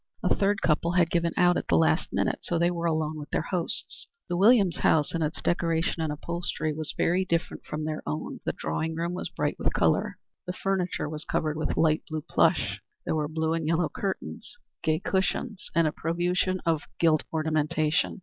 A third couple had given out at the last minute, so they were alone with their hosts. The Williams house in its decoration and upholstery was very different from their own. The drawing room was bright with color. The furniture was covered with light blue plush; there were blue and yellow curtains, gay cushions, and a profusion of gilt ornamentation.